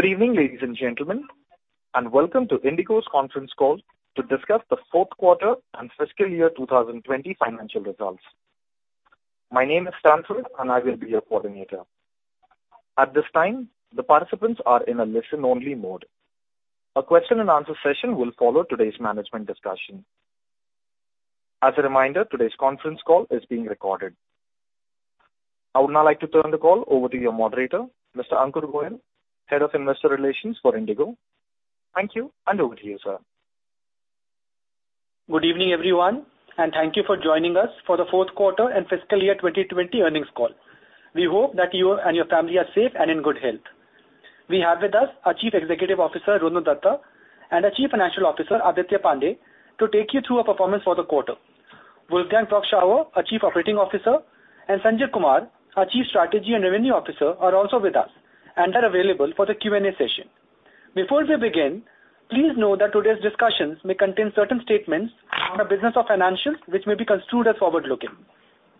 Good evening, ladies and gentlemen, and welcome to IndiGo's conference call to discuss the fourth quarter and fiscal year 2020 financial results. My name is Stanford, and I will be your coordinator. At this time, the participants are in a listen-only mode. A question-and-answer session will follow today's management discussion. As a reminder, today's conference call is being recorded. I would now like to turn the call over to your moderator, Mr. Ankur Goel, Head of Investor Relations for IndiGo. Thank you, and over to you, sir. Good evening, everyone, and thank you for joining us for the fourth quarter and fiscal year 2020 earnings call. We hope that you and your family are safe and in good health. We have with us our Chief Executive Officer, Rono Dutta, and our Chief Financial Officer, Aditya Pande, to take you through our performance for the quarter. Wolfgang Prock-Schauer, our Chief Operating Officer, and Sanjay Kumar, our Chief Strategy and Revenue Officer, are also with us and are available for the Q&A session. Before we begin, please know that today's discussions may contain certain statements on our business or financials, which may be construed as forward-looking.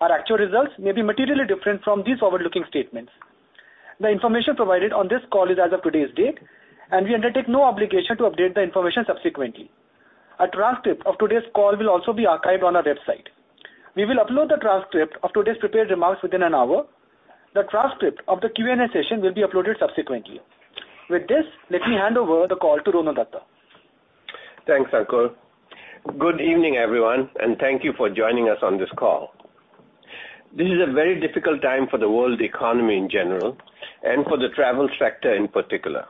Our actual results may be materially different from these forward-looking statements. The information provided on this call is as of today's date, and we undertake no obligation to update the information subsequently. A transcript of today's call will also be archived on our website. We will upload the transcript of today's prepared remarks within an hour. The transcript of the Q&A session will be uploaded subsequently. With this, let me hand over the call to Rono Dutta. Thanks, Ankur. Good evening, everyone, and thank you for joining us on this call. This is a very difficult time for the world economy in general and for the travel sector in particular.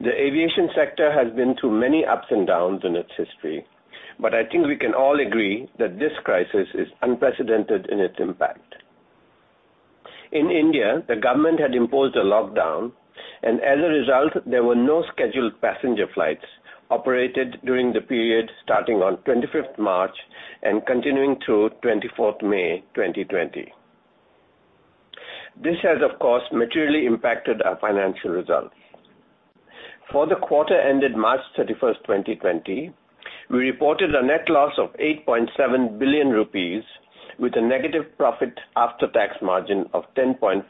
The aviation sector has been through many ups and downs in its history, but I think we can all agree that this crisis is unprecedented in its impact. In India, the government had imposed a lockdown, and as a result, there were no scheduled passenger flights operated during the period starting on 25th March and continuing through 24th May 2020. This has, of course, materially impacted our financial results. For the quarter ending March 31st, 2020, we reported a net loss of 8.7 billion rupees with a negative profit after tax margin of 10.5%.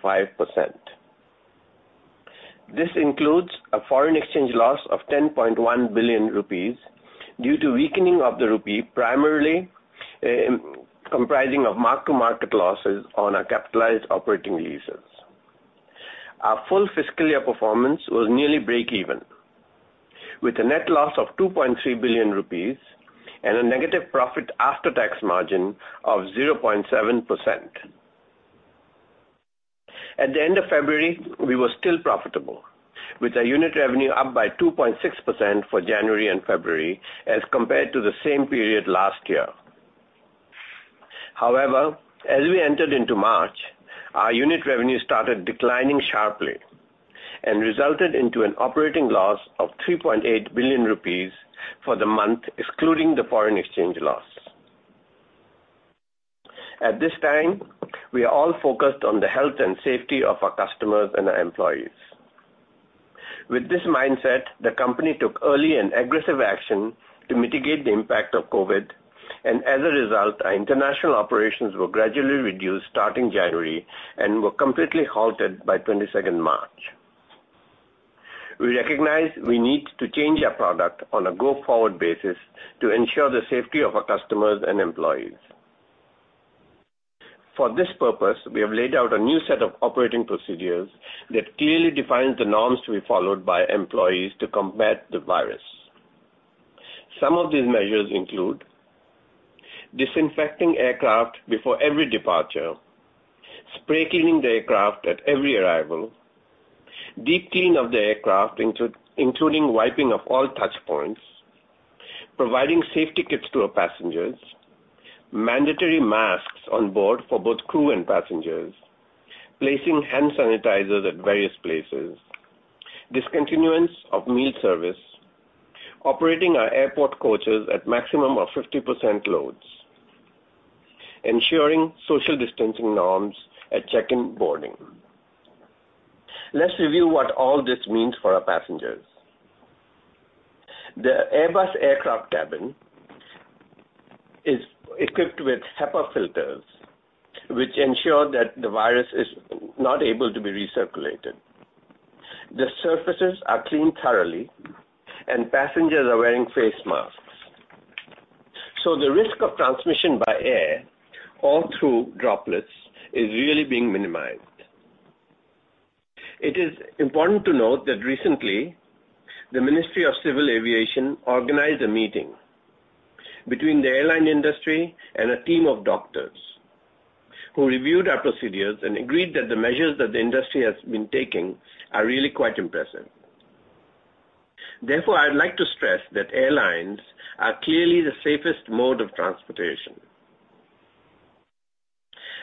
This includes a foreign exchange loss of 10.1 billion rupees due to weakening of the rupee, primarily comprising of mark-to-market losses on our capitalized operating leases. Our full fiscal year performance was nearly break even, with a net loss of 2.3 billion rupees and a negative profit after tax margin of 0.7%. At the end of February, we were still profitable, with our unit revenue up by 2.6% for January and February as compared to the same period last year. As we entered into March, our unit revenue started declining sharply and resulted into an operating loss of 3.8 billion rupees for the month, excluding the foreign exchange loss. At this time, we are all focused on the health and safety of our customers and our employees. With this mindset, the company took early and aggressive action to mitigate the impact of COVID-19, and as a result, our international operations were gradually reduced starting January and were completely halted by 22nd March. We recognize we need to change our product on a go-forward basis to ensure the safety of our customers and employees. For this purpose, we have laid out a new set of operating procedures that clearly defines the norms to be followed by employees to combat the virus. Some of these measures include disinfecting aircraft before every departure, spray cleaning the aircraft at every arrival, deep clean of the aircraft, including wiping of all touchpoints, providing safety kits to our passengers, mandatory masks on board for both crew and passengers, placing hand sanitizers at various places, discontinuance of meal service, operating our airport coaches at maximum of 50% loads, ensuring social distancing norms at check-in boarding. Let's review what all this means for our passengers. The Airbus aircraft cabin is equipped with HEPA filters, which ensure that the virus is not able to be recirculated. The surfaces are cleaned thoroughly, and passengers are wearing face masks. The risk of transmission by air or through droplets is really being minimized. It is important to note that recently, the Ministry of Civil Aviation organized a meeting between the airline industry and a team of doctors who reviewed our procedures and agreed that the measures that the industry has been taking are really quite impressive. Therefore, I'd like to stress that airlines are clearly the safest mode of transportation.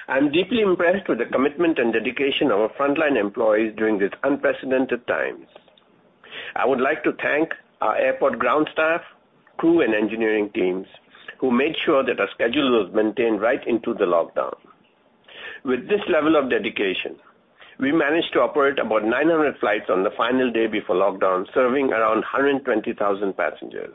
I'm deeply impressed with the commitment and dedication of our frontline employees during these unprecedented times. I would like to thank our airport ground staff, crew, and engineering teams who made sure that our schedule was maintained right into the lockdown. With this level of dedication, we managed to operate about 900 flights on the final day before lockdown, serving around 120,000 passengers.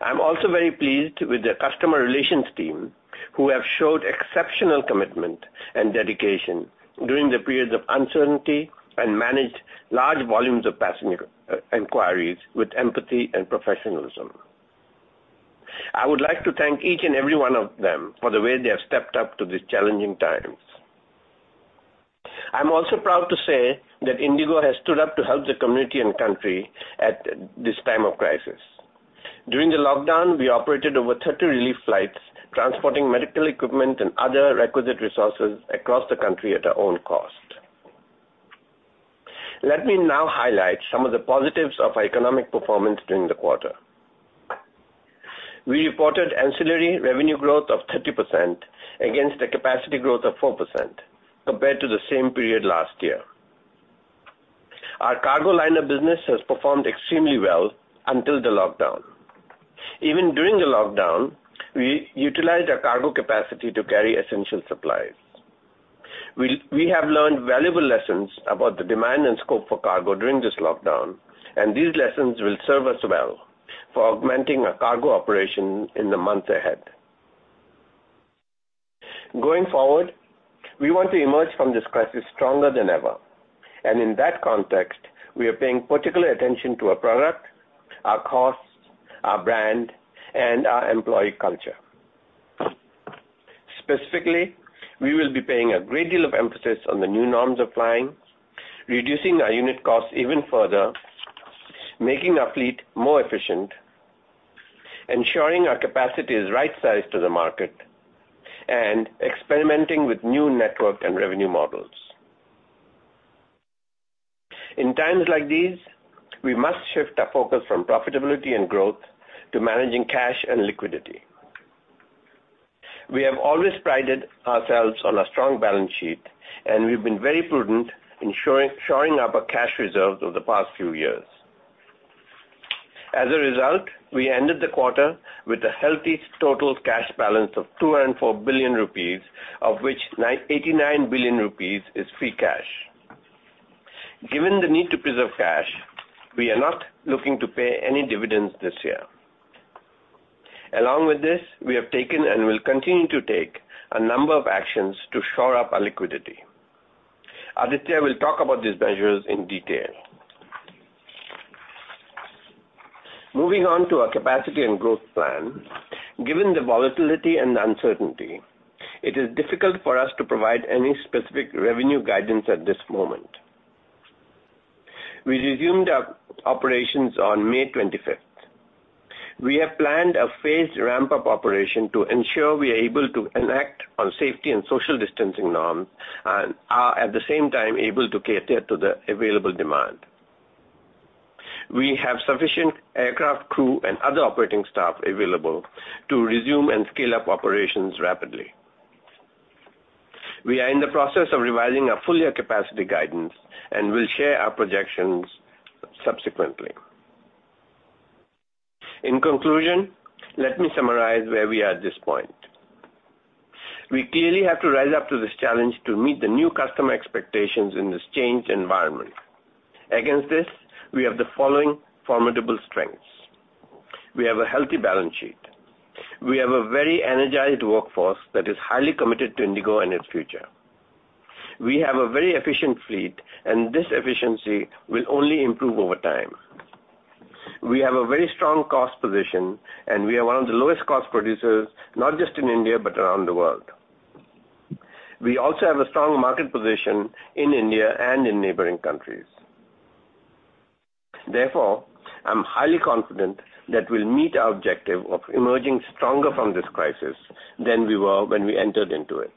I'm also very pleased with the customer relations team, who have showed exceptional commitment and dedication during the periods of uncertainty and managed large volumes of passenger inquiries with empathy and professionalism. I would like to thank each and every one of them for the way they have stepped up to these challenging times. I'm also proud to say that IndiGo has stood up to help the community and country at this time of crisis. During the lockdown, we operated over 30 relief flights, transporting medical equipment and other requisite resources across the country at our own cost. Let me now highlight some of the positives of our economic performance during the quarter. We reported ancillary revenue growth of 30% against a capacity growth of 4% compared to the same period last year. Our cargo liner business has performed extremely well until the lockdown. Even during the lockdown, we utilized our cargo capacity to carry essential supplies. We have learned valuable lessons about the demand and scope for cargo during this lockdown, and these lessons will serve us well for augmenting our cargo operation in the months ahead. Going forward, we want to emerge from this crisis stronger than ever, and in that context, we are paying particular attention to our product, our costs, our brand, and our employee culture. Specifically, we will be paying a great deal of emphasis on the new norms of flying, reducing our unit costs even further, making our fleet more efficient, ensuring our capacity is right sized to the market, and experimenting with new network and revenue models. In times like these, we must shift our focus from profitability and growth to managing cash and liquidity. We have always prided ourselves on a strong balance sheet, and we've been very prudent in shoring up our cash reserves over the past few years. As a result, we ended the quarter with a healthy total cash balance of 204 billion rupees, of which 89 billion rupees is free cash. Given the need to preserve cash, we are not looking to pay any dividends this year. Along with this, we have taken and will continue to take a number of actions to shore up our liquidity. Aditya will talk about these measures in detail. Moving on to our capacity and growth plan. Given the volatility and the uncertainty, it is difficult for us to provide any specific revenue guidance at this moment. We resumed our operations on May 25th. We have planned a phased ramp-up operation to ensure we are able to enact our safety and social distancing norms and are, at the same time, able to cater to the available demand. We have sufficient aircraft crew and other operating staff available to resume and scale up operations rapidly. We are in the process of revising our full-year capacity guidance and will share our projections subsequently. In conclusion, let me summarize where we are at this point. We clearly have to rise up to this challenge to meet the new customer expectations in this changed environment. Against this, we have the following formidable strengths. We have a healthy balance sheet. We have a very energized workforce that is highly committed to IndiGo and its future. We have a very efficient fleet, and this efficiency will only improve over time. We have a very strong cost position, and we are one of the lowest cost producers, not just in India, but around the world. We also have a strong market position in India and in neighboring countries. Therefore, I'm highly confident that we'll meet our objective of emerging stronger from this crisis than we were when we entered into it.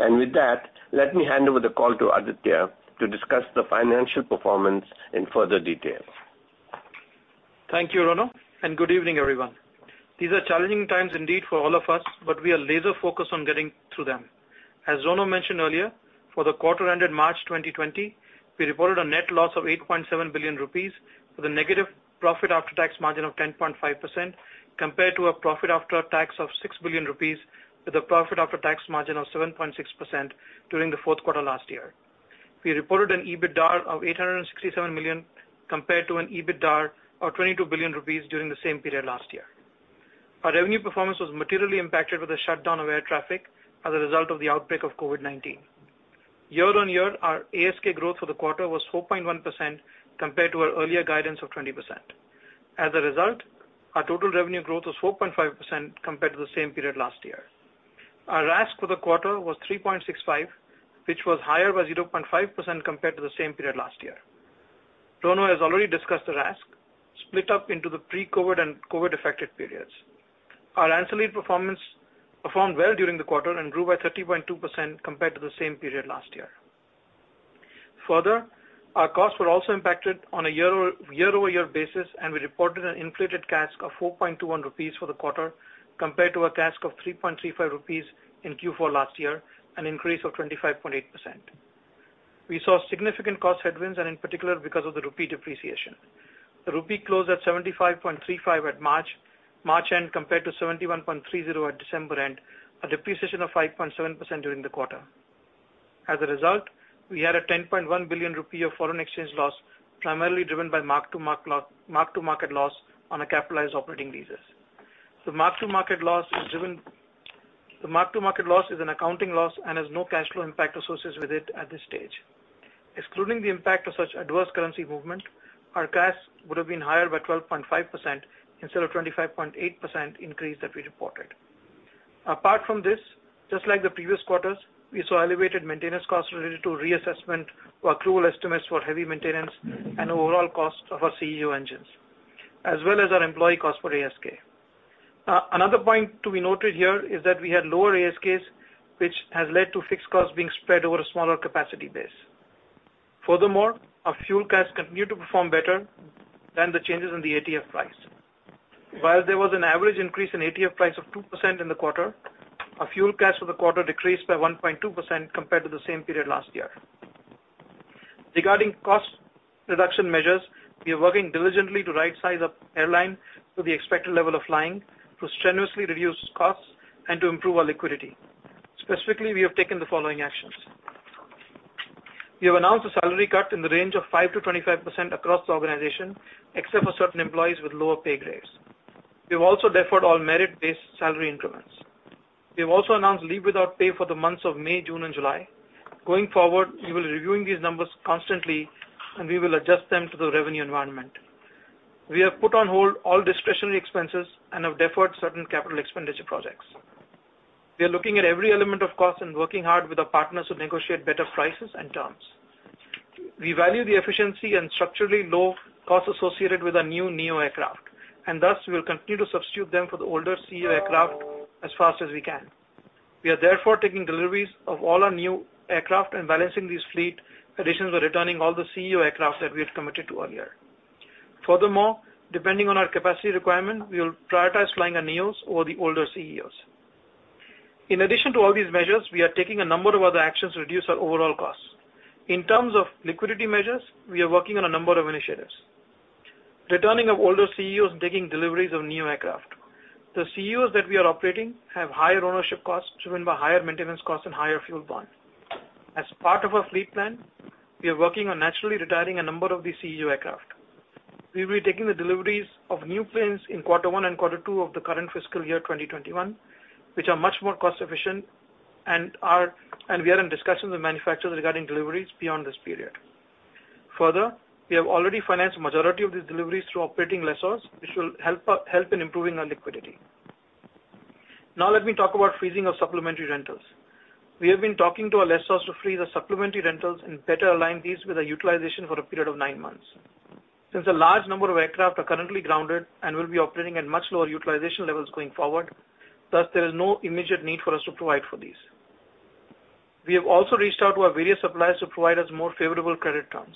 With that, let me hand over the call to Aditya to discuss the financial performance in further detail. Thank you, Rono, and good evening, everyone. These are challenging times indeed for all of us, but we are laser focused on getting through them. As Rono mentioned earlier, for the quarter ended March 2020, we reported a net loss of 8.7 billion rupees with a negative profit after tax margin of 10.5% compared to a profit after tax of 6 billion rupees with a profit after tax margin of 7.6% during the fourth quarter last year. We reported an EBITDAR of 867 million compared to an EBITDAR of 22 billion rupees during the same period last year. Our revenue performance was materially impacted with the shutdown of air traffic as a result of the outbreak of COVID-19. Year-on-year, our ASK growth for the quarter was 4.1% compared to our earlier guidance of 20%. As a result, our total revenue growth was 4.5% compared to the same period last year. Our RASK for the quarter was 3.65, which was higher by 0.5% compared to the same period last year. Rono has already discussed the RASK split up into the pre-COVID and COVID-affected periods. Our ancillary performance performed well during the quarter and grew by 30.2% compared to the same period last year. Our costs were also impacted on a year-over-year basis, and we reported an inflated CASK of 4.21 rupees for the quarter, compared to a CASK of 3.35 rupees in Q4 last year, an increase of 25.8%. We saw significant cost headwinds, and in particular because of the INR depreciation. The rupee closed at 75.35 at March end compared to 71.30 at December end, a depreciation of 5.7% during the quarter. As a result, we had a 10.1 billion rupee foreign exchange loss primarily driven by mark-to-market loss on our capitalized operating leases. The mark-to-market loss is an accounting loss and has no cash flow impact associated with it at this stage. Excluding the impact of such adverse currency movement, our cash would have been higher by 12.5% instead of the 25.8% increase that we reported. Apart from this, just like the previous quarters, we saw elevated maintenance costs related to reassessment of accrual estimates for heavy maintenance and overall cost of our ceo engines, as well as our employee cost for ASK. Another point to be noted here is that we had lower ASKs, which has led to fixed costs being spread over a smaller capacity base. Our fuel costs continued to perform better than the changes in the ATF price. While there was an average increase in ATF price of 2% in the quarter, our fuel costs for the quarter decreased by 1.2% compared to the same period last year. Regarding cost reduction measures, we are working diligently to right size the airline to the expected level of flying, to strenuously reduce costs, and to improve our liquidity. Specifically, we have taken the following actions. We have announced a salary cut in the range of 5% to 25% across the organization, except for certain employees with lower pay grades. We have also deferred all merit-based salary increments. We have also announced leave without pay for the months of May, June, and July. Going forward, we will be reviewing these numbers constantly, and we will adjust them to the revenue environment. We have put on hold all discretionary expenses and have deferred certain capital expenditure projects. We are looking at every element of cost and working hard with our partners to negotiate better prices and terms. We value the efficiency and structurally low costs associated with our new NEO aircraft, and thus we will continue to substitute them for the older ceo aircraft as fast as we can. We are therefore taking deliveries of all our new aircraft and balancing these fleet additions with retiring all the ceo aircraft that we had committed to earlier. Furthermore, depending on our capacity requirement, we will prioritize flying our NEOs over the older ceos. In addition to all these measures, we are taking a number of other actions to reduce our overall costs. In terms of liquidity measures, we are working on a number of initiatives. Retaining of older ceo and taking deliveries of NEO aircraft. The ceo that we are operating have higher ownership costs driven by higher maintenance costs and higher fuel burn. As part of our fleet plan, we are working on naturally retiring a number of these ceo aircraft. We will be taking the deliveries of new planes in quarter one and quarter two of the current fiscal year 2021, which are much more cost efficient, and we are in discussions with manufacturers regarding deliveries beyond this period. We have already financed the majority of these deliveries through operating lessors, which will help in improving our liquidity. Let me talk about freezing of supplementary rentals. We have been talking to our lessors to freeze the supplementary rentals and better align these with the utilization for a period of nine months. Since a large number of aircraft are currently grounded and will be operating at much lower utilization levels going forward, thus there is no immediate need for us to provide for these. We have also reached out to our various suppliers to provide us more favorable credit terms.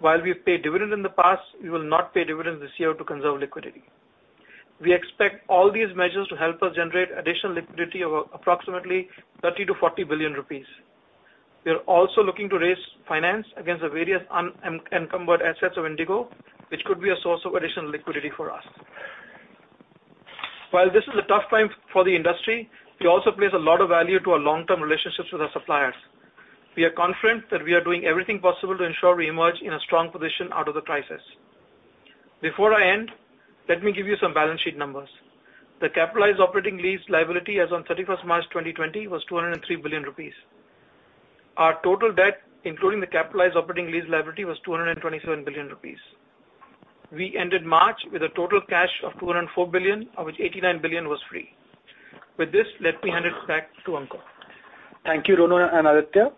While we have paid dividends in the past, we will not pay dividends this year to conserve liquidity. We expect all these measures to help us generate additional liquidity of approximately 30 billion-40 billion rupees. We are also looking to raise finance against the various unencumbered assets of IndiGo, which could be a source of additional liquidity for us. While this is a tough time for the industry, we also place a lot of value to our long-term relationships with our suppliers. We are confident that we are doing everything possible to ensure we emerge in a strong position out of the crisis. Before I end, let me give you some balance sheet numbers. The capitalized operating lease liability as on thirty-first March 2020 was 203 billion rupees. Our total debt, including the capitalized operating lease liability, was 227 billion rupees. We ended March with a total cash of 204 billion, of which 89 billion was free. With this, let me hand it back to Ankur. Thank you, Rono and Aditya.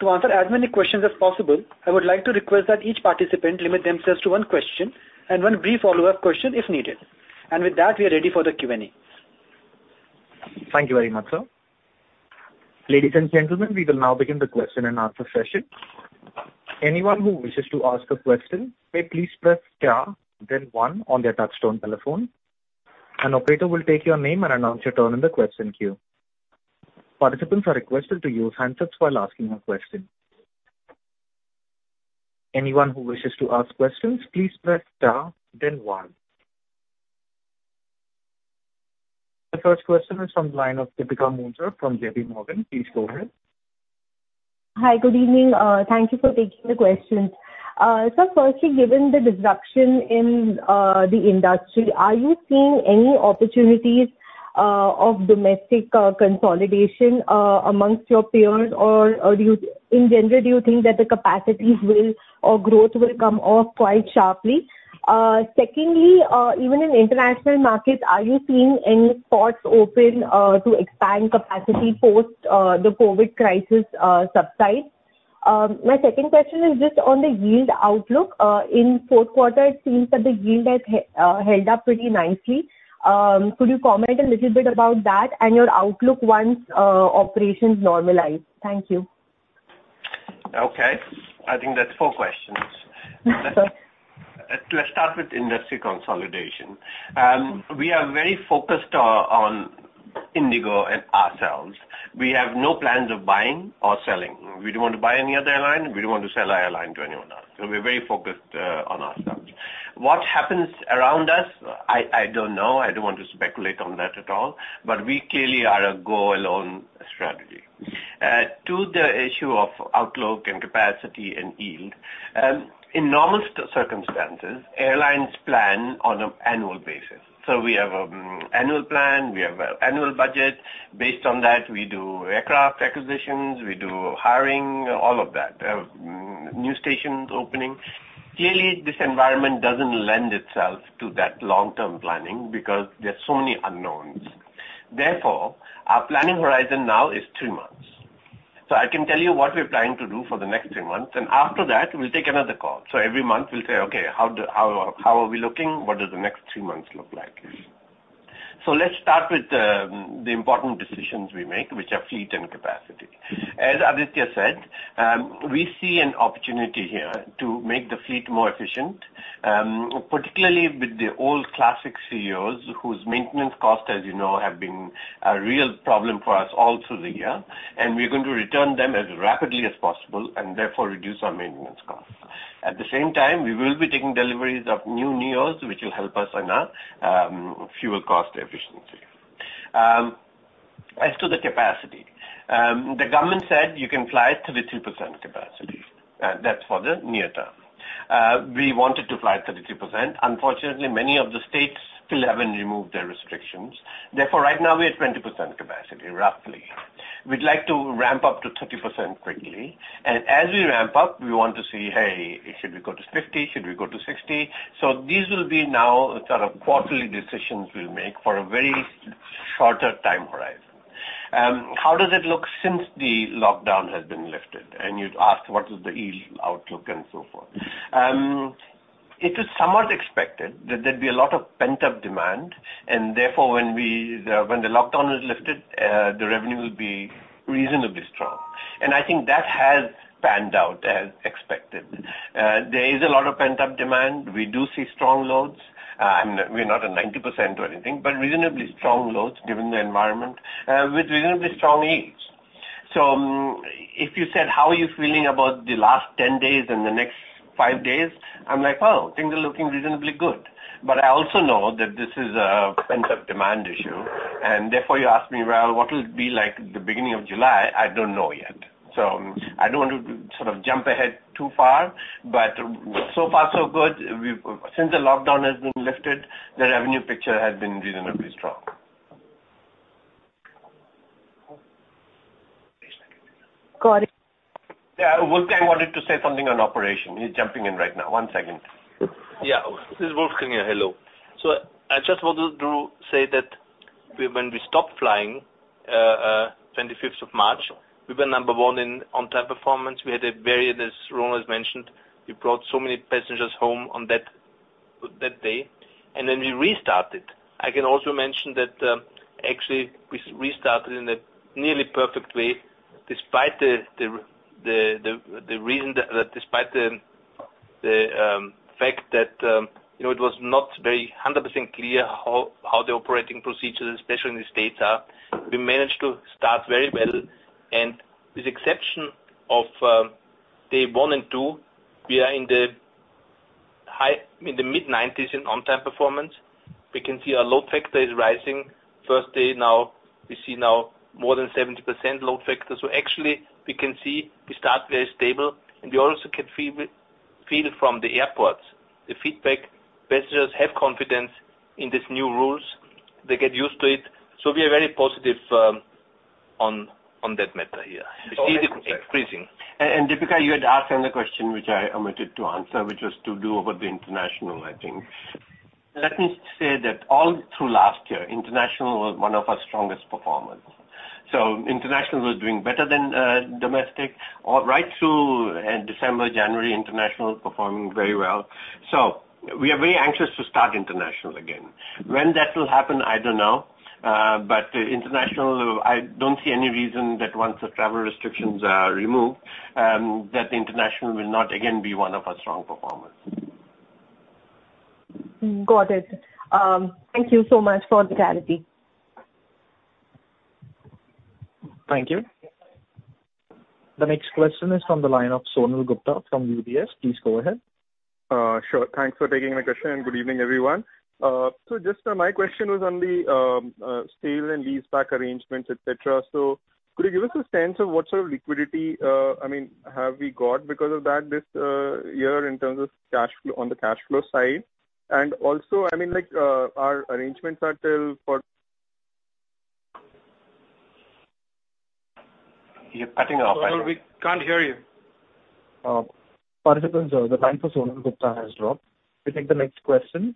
To answer as many questions as possible, I would like to request that each participant limit themselves to one question and one brief follow-up question if needed. With that, we are ready for the Q&A. Thank you very much, sir. Ladies and gentlemen, we will now begin the question-and-answer session. Anyone who wishes to ask a question may please press star then one on their touchtone telephone. An operator will take your name and announce your turn in the question queue. Participants are requested to use handsets while asking a question. Anyone who wishes to ask questions, please press star then one. The first question is from the line of Deepika Mundra from JPMorgan. Please go ahead. Hi, good evening. Thank you for taking the questions. Sir, firstly, given the disruption in the industry, are you seeing any opportunities of domestic consolidation amongst your peers, or in general, do you think that the capacities or growth will come off quite sharply? Secondly, even in international markets, are you seeing any spots open to expand capacity post the COVID crisis subsides? My second question is just on the yield outlook. In the fourth quarter, it seems that the yield has held up pretty nicely. Could you comment a little bit about that and your outlook once operations normalize? Thank you. Okay. I think that's four questions. Yes, sir. Let's start with industry consolidation. We are very focused on IndiGo and ourselves. We have no plans of buying or selling. We don't want to buy any other airline, we don't want to sell our airline to anyone else. We're very focused on ourselves What happens around us, I don't know. I don't want to speculate on that at all. We clearly are a go-alone strategy. To the issue of outlook and capacity and yield, in normal circumstances, airlines plan on an annual basis. We have annual plan, we have annual budget. Based on that, we do aircraft acquisitions, we do hiring, all of that. We have new stations opening. Clearly, this environment doesn't lend itself to that long-term planning because there are so many unknowns. Therefore, our planning horizon now is two months. I can tell you what we're planning to do for the next two months, and after that, we'll take another call. Every month we'll say, okay, how are we looking? What does the next two months look like? Let's start with the important decisions we make, which are fleet and capacity. As Aditya said, we see an opportunity here to make the fleet more efficient, particularly with the old classic ceo, whose maintenance cost, as you know, have been a real problem for us all through the year, and we're going to return them as rapidly as possible and therefore reduce our maintenance cost. At the same time, we will be taking deliveries of new NEOs, which will help us on our fuel cost efficiency. As to the capacity, the government said you can fly at 33% capacity. That's for the near term. We wanted to fly at 33%. Unfortunately, many of the states still haven't removed their restrictions. Therefore, right now we're at 20% capacity, roughly. We'd like to ramp up to 30% quickly, and as we ramp up, we want to see, hey, should we go to 50%? Should we go to 60%? These will be now sort of quarterly decisions we'll make for a very shorter time horizon. How does it look since the lockdown has been lifted? You'd asked what is the yield outlook and so forth. It is somewhat expected that there'd be a lot of pent-up demand, and therefore, when the lockdown is lifted, the revenue will be reasonably strong. I think that has panned out as expected. There is a lot of pent-up demand. We do see strong loads. We're not at 90% or anything, but reasonably strong loads given the environment, with reasonably strong yields. If you said, how are you feeling about the last 10 days and the next five days? I'm like, Oh, things are looking reasonably good. I also know that this is a pent-up demand issue, and therefore you ask me, well, what will it be like the beginning of July? I don't know yet. I don't want to sort of jump ahead too far, but so far so good. Since the lockdown has been lifted, the revenue picture has been reasonably strong. Got it. Yeah. Wolfgang wanted to say something on operation. He is jumping in right now. One second. Yeah. This is Wolfgang here. Hello. I just wanted to say that when we stopped flying, 25th of March, we were number one in on-time performance. We had a very, as Rono has mentioned, we brought so many passengers home on that day. We restarted. I can also mention that, actually, we restarted in a nearly perfect way despite the fact that it was not very 100% clear how the operating procedures, especially in the U.S., are. We managed to start very well, and with exception of day one and two, we are in the mid-90s in on-time performance. First day now, we see now more than 70% load factor. Actually, we can see we start very stable, and we also can feel from the airports the feedback. Passengers have confidence in these new rules. They get used to it. We are very positive on that matter. We see it increasing. Deepika, you had asked another question, which I omitted to answer, which was to do over the international, I think. Let me say that all through last year, international was one of our strongest performers. International was doing better than domestic. Right through December, January, international was performing very well. We are very anxious to start international again. When that will happen, I don't know. International, I don't see any reason that once the travel restrictions are removed, that international will not again be one of our strong performers. Got it. Thank you so much for the clarity. Thank you. The next question is from the line of Sonal Gupta from UBS. Please go ahead. Sure. Thanks for taking my question, and good evening, everyone. Just my question was on the sale and lease back arrangements, et cetera. Could you give us a sense of what sort of liquidity have we got because of that this year in terms of on the cash flow side? Also, our arrangements are till. You're cutting off. Sonal, we can't hear you. Pardon me, sir. The line for Sonal Gupta has dropped. We'll take the next question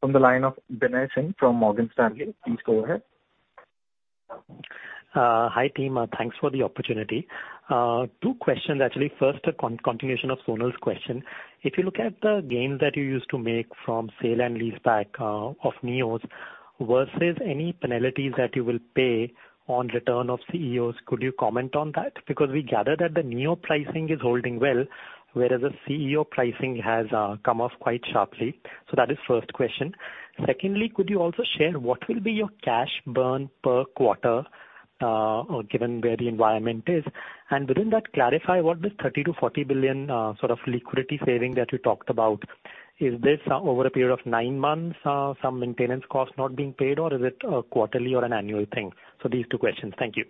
from the line of Binay Singh from Morgan Stanley. Please go ahead. Hi, team. Thanks for the opportunity. Two questions, actually. First, a continuation of Sonal's question. If you look at the gains that you used to make from sale and lease back of NEOs versus any penalties that you will pay on return of ceos, could you comment on that? We gather that the NEO pricing is holding well, whereas the ceo pricing has come off quite sharply. That is first question. Could you also share what will be your cash burn per quarter, given where the environment is. Within that, clarify what this 30 billion-40 billion sort of liquidity saving that you talked about, is this over a period of nine months, some maintenance costs not being paid, or is it a quarterly or an annual thing? These two questions. Thank you.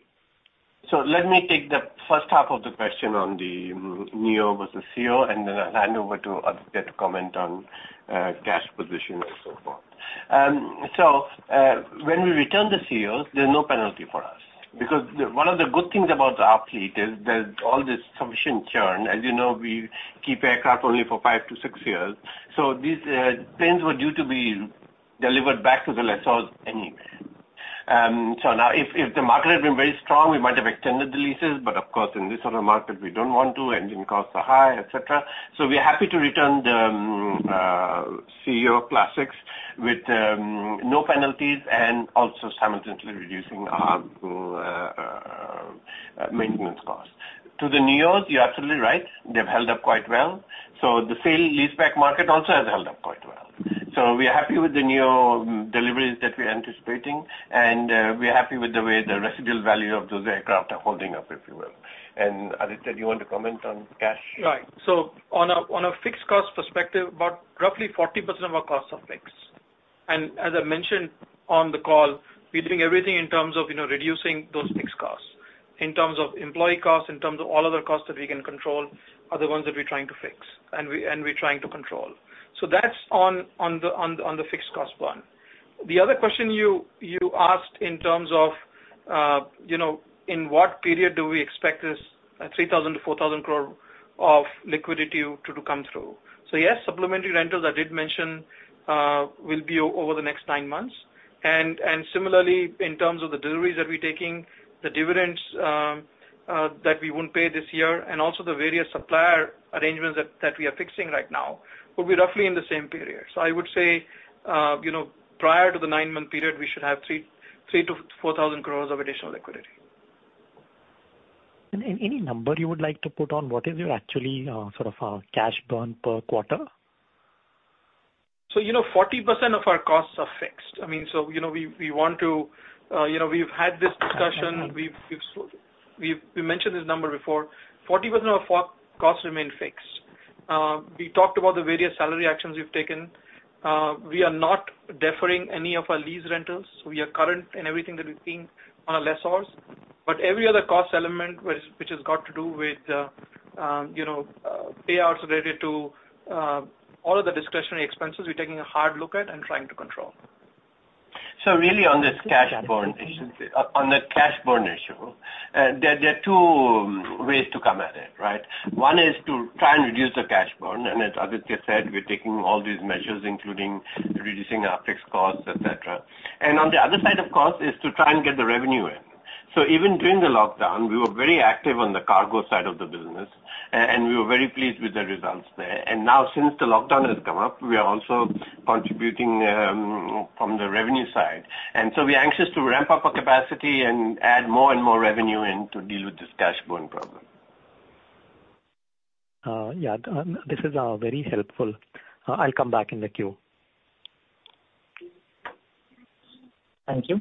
Let me take the first half of the question on the NEO versus ceo, and then I'll hand over to Aditya to comment on cash position and so forth. When we return the ceos, there's no penalty for us because one of the good things about our fleet is there's all this sufficient churn. As you know, we keep aircraft only for five to six years. These planes were due to be delivered back to the lessors anyway. If the market had been very strong, we might have extended the leases, but of course, in this sort of market, we don't want to. engine costs are high, et cetera. We're happy to return the ceo classics with no penalties and also simultaneously reducing our maintenance costs. To the NEOs, you're absolutely right. They've held up quite well. The sale leaseback market also has held up quite well. We are happy with the NEO deliveries that we're anticipating, and we are happy with the way the residual value of those aircraft are holding up, if you will. Aditya, do you want to comment on cash? Right. On a fixed cost perspective, about roughly 40% of our costs are fixed. As I mentioned on the call, we're doing everything in terms of reducing those fixed costs. In terms of employee costs, in terms of all other costs that we can control are the ones that we're trying to fix and we're trying to control. That's on the fixed cost one. The other question you asked in terms of in what period do we expect this 3,000 crore-4,000 crore of liquidity to come through. Yes, supplementary rentals, I did mention will be over the next nine months. Similarly, in terms of the deliveries that we're taking, the dividends that we won't pay this year, and also the various supplier arrangements that we are fixing right now will be roughly in the same period. I would say prior to the nine-month period, we should have 3,000 crore-4,000 crore of additional liquidity. Any number you would like to put on what is your actually sort of cash burn per quarter? 40% of our costs are fixed. We've had this discussion. We've mentioned this number before. 40% of our costs remain fixed. We talked about the various salary actions we've taken. We are not deferring any of our lease rentals. We are current in everything that we pay on our lessors. Every other cost element which has got to do with payouts related to all of the discretionary expenses we're taking a hard look at and trying to control. Really on this cash burn issue, there are two ways to come at it. One is to try and reduce the cash burn, and as Aditya said, we're taking all these measures, including reducing our fixed costs, et cetera. On the other side, of course, is to try and get the revenue in. Even during the lockdown, we were very active on the cargo side of the business, and we were very pleased with the results there. Now since the lockdown has come up, we are also contributing from the revenue side. We are anxious to ramp up our capacity and add more and more revenue in to deal with this cash burn problem. Yeah. This is very helpful. I'll come back in the queue. Thank you.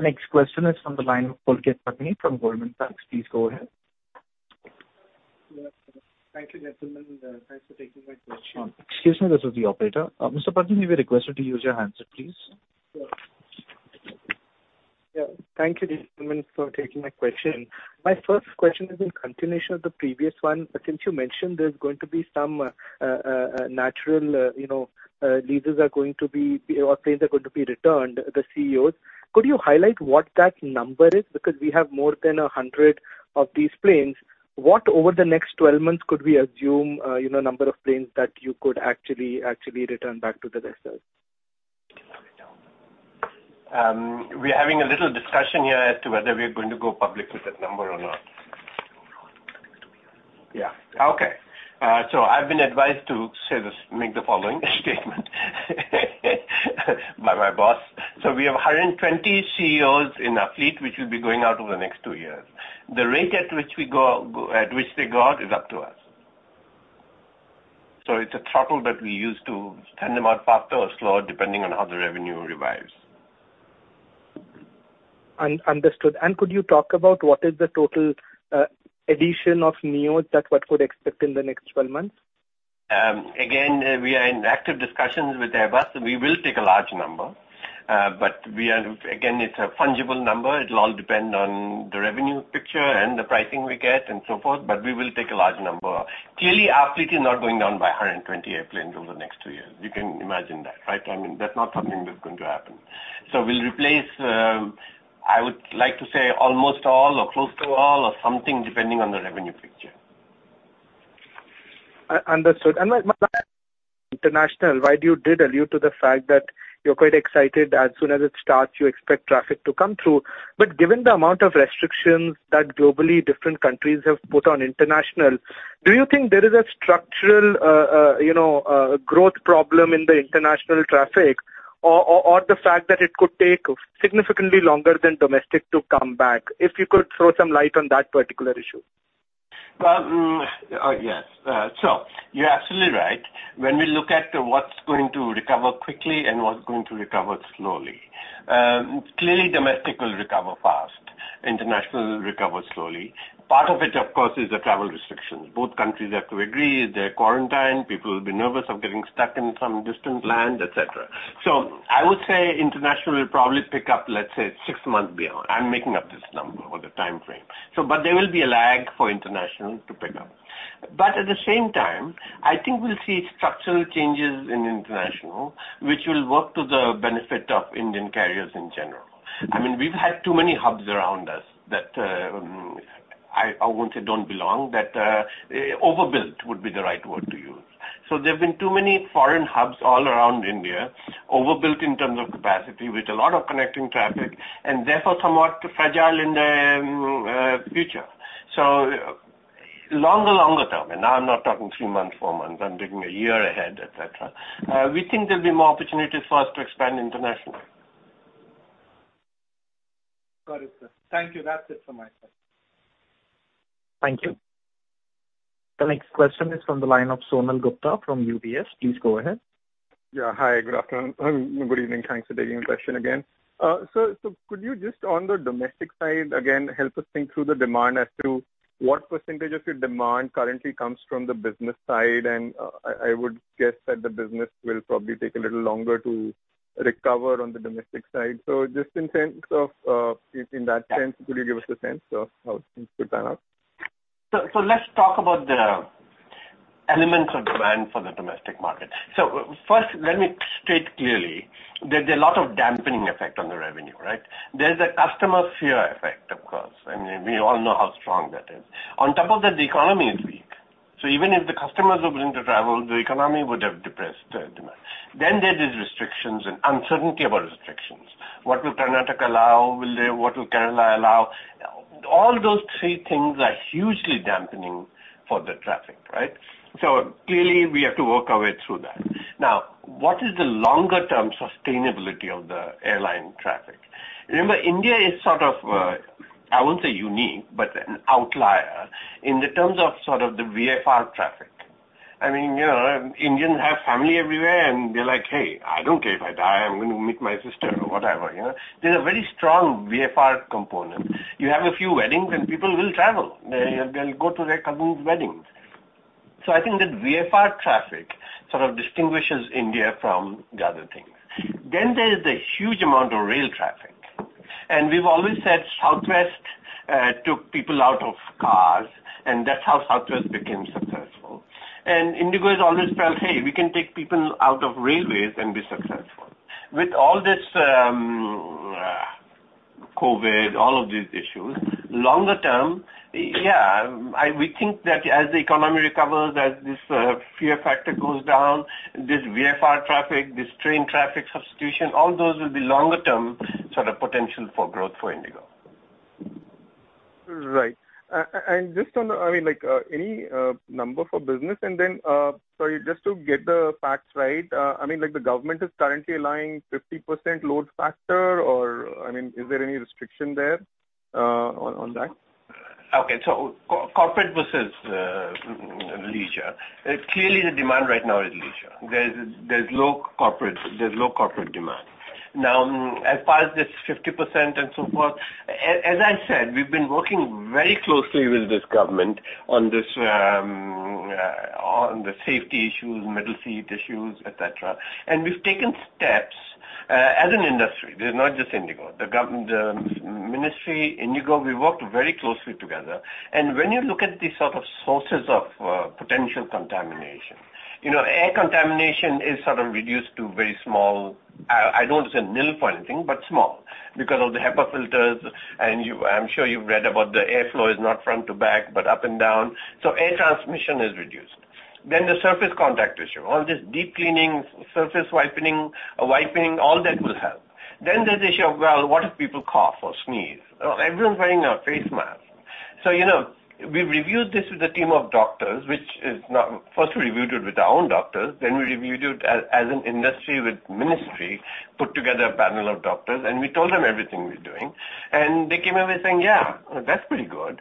Next question is from the line of Pulkit Patni from Goldman Sachs. Please go ahead. Thank you, gentlemen. Thanks for taking my question. Excuse me, this is the operator. Mr. Patni, we request you to use your handset, please. Yeah. Thank you, gentlemen, for taking my question. My first question is in continuation of the previous one. Since you mentioned there's going to be some natural leases are going to be, or planes are going to be returned, the ceos. Could you highlight what that number is? Because we have more than 100 of these planes. What over the next 12 months could we assume number of planes that you could actually return back to the lessors? We're having a little discussion here as to whether we're going to go public with that number or not. Yeah. Okay. I've been advised to make the following statement by my boss. We have 120 ceo in our fleet, which will be going out over the next two years. The rate at which they go out is up to us. It's a throttle that we use to send them out faster or slower, depending on how the revenue revives. Understood. Could you talk about what is the total addition of NEO that what could expect in the next 12 months? Again, we are in active discussions with Airbus. We will take a large number. Again, it's a fungible number. It'll all depend on the revenue picture and the pricing we get and so forth, but we will take a large number. Clearly, our fleet is not going down by 120 airplanes over the next two years. You can imagine that, right? I mean, that's not something that's going to happen. We'll replace, I would like to say almost all or close to all or something depending on the revenue picture. Understood. International, you did allude to the fact that you're quite excited as soon as it starts, you expect traffic to come through. Given the amount of restrictions that globally different countries have put on international, do you think there is a structural growth problem in the international traffic or the fact that it could take significantly longer than domestic to come back? If you could throw some light on that particular issue. Yes. You're absolutely right. When we look at what's going to recover quickly and what's going to recover slowly. Clearly, domestic will recover fast. International will recover slowly. Part of it, of course, is the travel restrictions. Both countries have to agree. There are quarantine. People will be nervous of getting stuck in some distant land, et cetera. I would say international will probably pick up, let's say six months beyond. I'm making up this number or the timeframe. There will be a lag for international to pick up. At the same time, I think we'll see structural changes in international, which will work to the benefit of Indian carriers in general. We've had too many hubs around us that I won't say don't belong but overbuilt would be the right word to use. There's been too many foreign hubs all around India, overbuilt in terms of capacity, with a lot of connecting traffic, and therefore somewhat fragile in the future. Longer term, and now I'm not talking three months, four months, I'm thinking a year ahead, et cetera. We think there'll be more opportunities for us to expand internationally. Got it, sir. Thank you. That's it from my side. Thank you. The next question is from the line of Sonal Gupta from UBS. Please go ahead. Yeah. Hi. Good afternoon. Good evening. Thanks for taking the question again. Sir, could you just, on the domestic side again, help us think through the demand as to what percent of your demand currently comes from the business side? I would guess that the business will probably take a little longer to recover on the domestic side. Just in that sense, could you give us a sense of how things could pan out? Let's talk about the elements of demand for the domestic market. First, let me state clearly that there's a lot of dampening effect on the revenue, right? There's a customer fear effect, of course, and we all know how strong that is. On top of that, the economy is weak. Even if the customers were willing to travel, the economy would have depressed the demand. There is restrictions and uncertainty about restrictions. What will Karnataka allow? What will Kerala allow? All those three things are hugely dampening for the traffic, right? Clearly, we have to work our way through that. What is the longer-term sustainability of the airline traffic? Remember, India is sort of, I won't say unique, but an outlier in terms of the VFR traffic. Indians have family everywhere, and they're like, "Hey, I don't care if I die. I'm going to meet my sister," or whatever. There's a very strong VFR component. You have a few weddings and people will travel. They'll go to their cousin's weddings. I think that VFR traffic sort of distinguishes India from the other thing. There is the huge amount of rail traffic. We've always said Southwest took people out of cars, and that's how Southwest became successful. IndiGo has always felt, "Hey, we can take people out of railways and be successful." With all this COVID-19, all of these issues, longer term, yeah, we think that as the economy recovers, as this fear factor goes down, this VFR traffic, this train traffic substitution, all those will be longer-term potential for growth for IndiGo. Right. Any number for business? Sorry, just to get the facts right, the government is currently allowing 50% load factor, or is there any restriction there on that? Okay, corporate versus leisure. Clearly, the demand right now is leisure. There's low corporate demand. Now, as far as this 50% and so forth, as I said, we've been working very closely with this government on the safety issues, middle seat issues, et cetera. We've taken steps as an industry. There's not just IndiGo. The ministry, IndiGo, we worked very closely together. When you look at the sources of potential contamination, air contamination is sort of reduced to very small, I don't want to say nil kind of thing, but small because of the HEPA filters, and I'm sure you've read about the airflow is not front to back, but up and down. Air transmission is reduced. The surface contact issue, all this deep cleaning, surface wiping, all that will help. There's the issue of, well, what if people cough or sneeze? Everyone's wearing a face mask. We reviewed this with a team of doctors, which is first we reviewed it with our own doctors, then we reviewed it as an industry with the Ministry, put together a panel of doctors, and we told them everything we're doing. They came away saying, "Yeah, that's pretty good."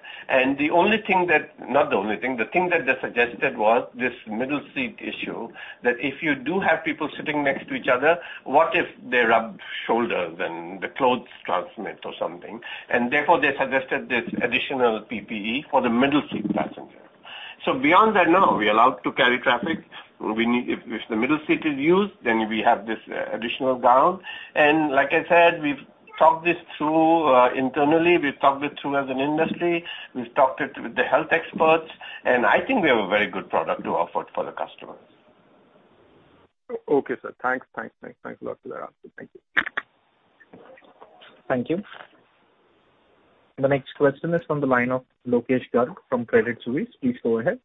The thing that they suggested was this middle seat issue, that if you do have people sitting next to each other, what if they rub shoulders and the clothes transmit or something? Therefore, they suggested this additional PPE for the middle seat passenger. Beyond that, no. We are allowed to carry traffic. If the middle seat is used, then we have this additional gown. Like I said, we've talked this through internally, we've talked it through as an industry, we've talked it with the health experts, and I think we have a very good product to offer for the customers. Okay, sir. Thanks. Thanks a lot for that answer. Thank you. Thank you. The next question is from the line of Lokesh Garg from Credit Suisse. Please go ahead.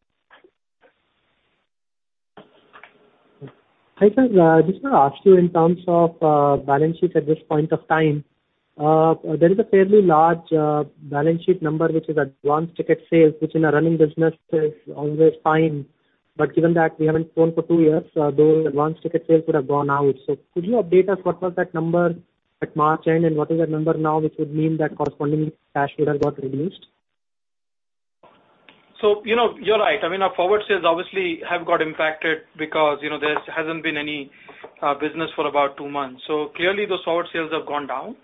Hi, sir. I just want to ask you in terms of balance sheet at this point of time, there is a fairly large balance sheet number, which is advanced ticket sales, which in a running business is always fine. Given that we haven't flown for two years, those advanced ticket sales would have gone out. Could you update us what was that number at March-end, and what is that number now, which would mean that corresponding cash would have got released? You're right. Our forward sales obviously have got impacted because there hasn't been any business for about two months. Clearly those forward sales have gone down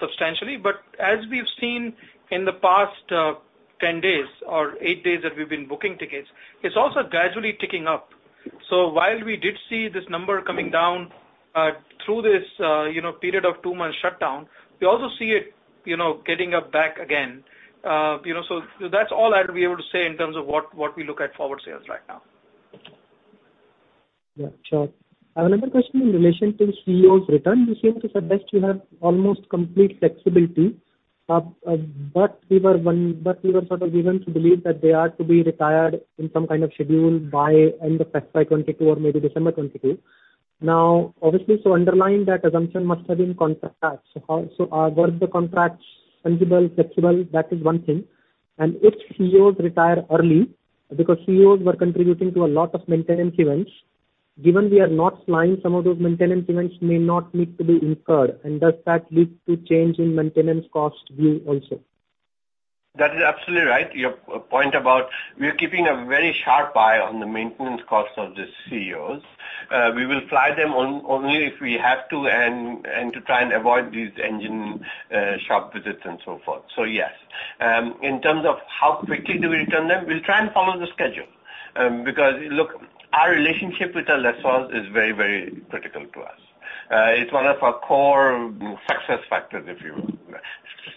substantially. As we've seen in the past 10 days or eight days that we've been booking tickets, it's also gradually ticking up. While we did see this number coming down through this period of two months shutdown, we also see it getting up back again. That's all I'd be able to say in terms of what we look at forward sales right now. Yeah, sure. I have another question in relation to ceo return. You seem to suggest you have almost complete flexibility, but we were sort of given to believe that they are to be retired in some kind of schedule by end of FY22 or maybe December 2022. Now, obviously, underlying that assumption must have been contracts. Are those the contracts tangible, flexible? That is one thing. If ceos retire early, because ceos were contributing to a lot of maintenance events, given we are not flying, some of those maintenance events may not need to be incurred. Does that lead to change in maintenance cost view also? That is absolutely right. Your point about we are keeping a very sharp eye on the maintenance cost of the ceos. We will fly them only if we have to and to try and avoid these engine shop visits and so forth. Yes. In terms of how quickly we return them, we'll try and follow the schedule. Look, our relationship with the lessors is very critical to us. It's one of our core success factors, if you will.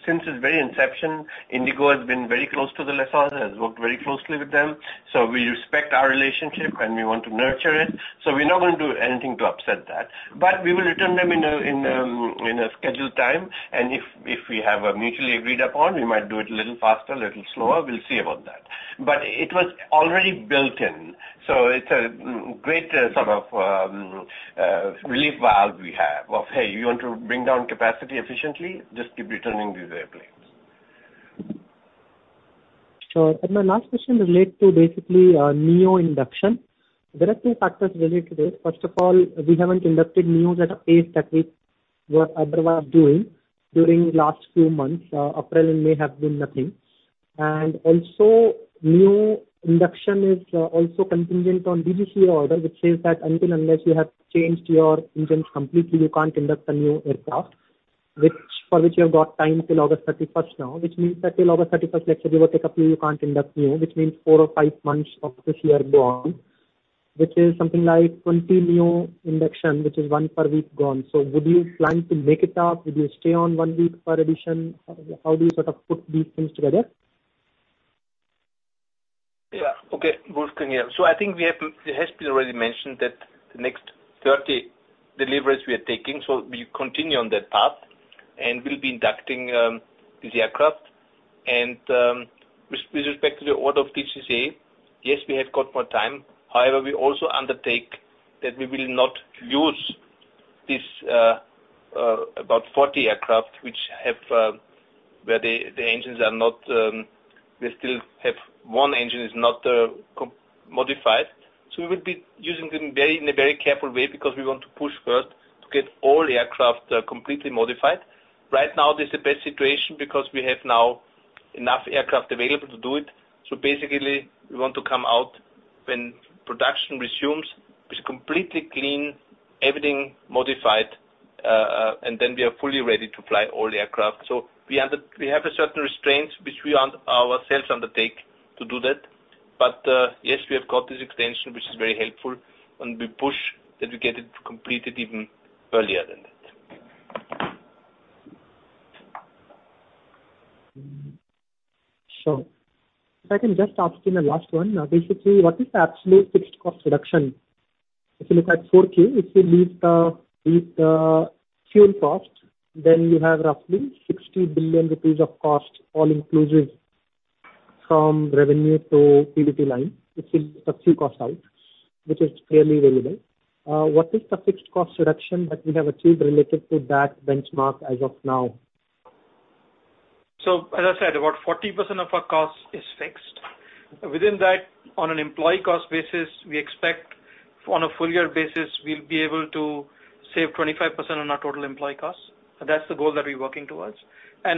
Since its very inception, IndiGo has been very close to the lessors, has worked very closely with them. We respect our relationship and we want to nurture it. We're not going to do anything to upset that. We will return them in a scheduled time. If we have a mutually agreed upon, we might do it a little faster, a little slower. We'll see about that. It was already built in, so it's a great sort of relief valve we have of, hey, you want to bring down capacity efficiently, just keep returning these airplanes. Sure. My last question relates to basically NEO induction. There are two factors related to it. First of all, we haven't inducted NEOs at a pace that we otherwise were doing during last few months. April and May have been nothing. Also NEO induction is also contingent on DGCA order, which says that until unless you have changed your engines completely, you can't induct a new aircraft, for which you have got time till August 31st now, which means that till August 31st, let's say we take a few, you can't induct NEO, which means four or five months of this year gone, which is something like 20 NEO induction, which is one per week gone. Would you plan to make it up? Would you stay on one week per addition? How do you sort of put these things together? Okay. Wolfgang here. I think it has been already mentioned that the next 30 deliveries we are taking, we continue on that path and we'll be inducting these aircraft. With respect to the order of DGCA, yes, we have got more time. However, we also undertake that we will not use this about 40 aircraft where the engines, they still have one engine is not modified. We will be using them in a very careful way because we want to push first to get all the aircraft completely modified. Right now, this is the best situation because we have now enough aircraft available to do it. Basically we want to come out when production resumes with completely clean, everything modified, and then we are fully ready to fly all the aircraft. We have a certain restraint, which we ourselves undertake to do that. Yes, we have got this extension, which is very helpful, and we push that we get it completed even earlier than that. Sure. If I can just ask you my last one. Basically, what is the absolute fixed cost reduction? If you look at 4Q, if you leave the fuel cost, you have roughly 60 billion rupees of cost, all inclusive from revenue to PBT line, which is a few costs out, which is clearly available. What is the fixed cost reduction that we have achieved related to that benchmark as of now? As I said, about 40% of our cost is fixed. Within that, on an employee cost basis, we expect on a full year basis, we'll be able to save 25% on our total employee cost. That's the goal that we're working towards.